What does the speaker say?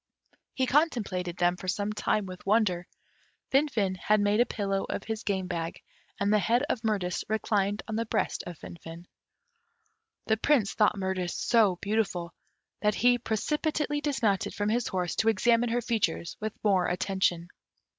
He contemplated them for some time with wonder. Finfin had made a pillow of his game bag, and the head of Mirtis reclined on the breast of Finfin. The Prince thought Mirtis so beautiful, that he precipitately dismounted from his horse to examine her features with more attention.